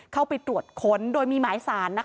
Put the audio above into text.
เข้าไปตรวจค้นโดยมีหมายสาร